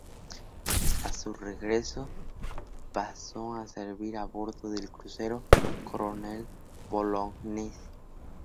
A su regreso pasó a servir a bordo del crucero "Coronel Bolognesi".